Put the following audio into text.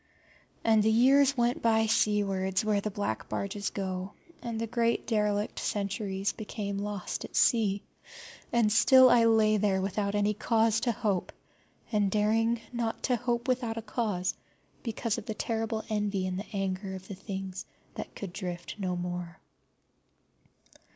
And the years went by seawards where the black barges go, and the great derelict centuries became lost at sea, and still I lay there without any cause to hope, and daring not to hope without a cause, because of the terrible envy and the anger of the things that could drift no more.